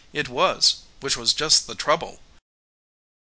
It was which was just the trouble!